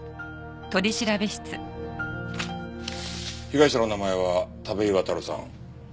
被害者の名前は田部井亘さん。